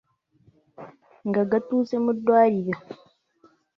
Nga gatuuse mu ddwaliro,